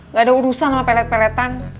nggak ada urusan sama pelet peletan